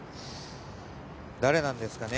誰なんですかね？